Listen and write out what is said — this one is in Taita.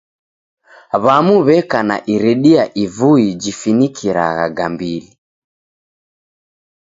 W'amu w'eka na iridia ivui jifinikiragha gambili.